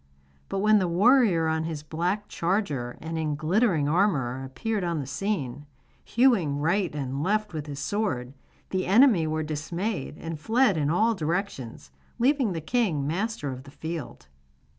But when the warrior on his black charger and in glittering armour appeared on the scene, hewing right and left with his sword, the enemy were dismayed and fled in all directions, leaving the king master of the field.